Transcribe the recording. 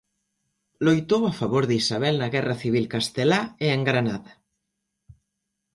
Loitou a favor de Isabel na guerra civil castelá e en Granada.